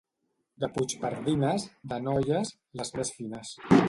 De Puigpardines, de noies, les més fines.